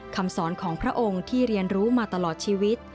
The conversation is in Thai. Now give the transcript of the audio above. คำสอนของพระองค์ที่เรียนรู้มาตลอดชีวิต